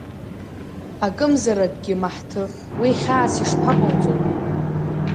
Акымзаракгьы, Маҳҭы, уи хьаас ишԥаҟауҵои.